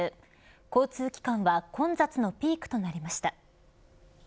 交通機関は混雑のピークとなりました。